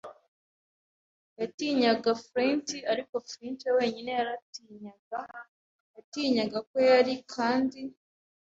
yatinyaga Flint; ariko Flint we wenyine yarantinyaga. Yatinyaga ko yari, kandi